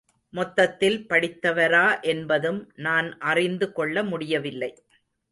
மொத்தத்தில் படித்தவரா என்பதும் நான் அறிந்து கொள்ள முடியவில்லை.